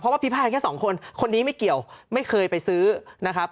ว่าพิพาทกันแค่สองคนคนนี้ไม่เกี่ยวไม่เคยไปซื้อนะครับ